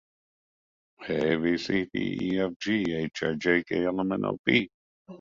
Schmidt has an associates degree in business.